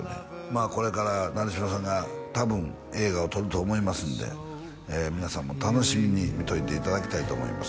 まあこれから成島さんが多分映画を撮ると思いますんで皆さんも楽しみに見といていただきたいと思います